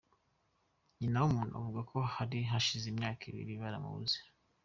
Nyinawumuntu avuga ko hari hashize imyaka ibiri baramubuze.